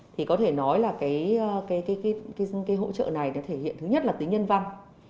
thì có thể nói là cái hỗ trợ này thể hiện thứ nhất là tính nhân văn